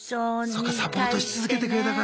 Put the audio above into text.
そうかサポートし続けてくれたから。